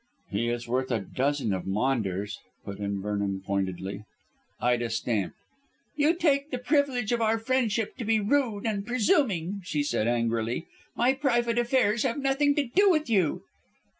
"He is worth a dozen of Maunders," put in Vernon pointedly. Ida stamped. "You take the privilege of our friendship to be rude and presuming," she said angrily. "My private affairs have nothing to do with you."